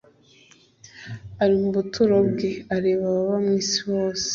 ari mu buturo bwe, areba ababa mu isi bose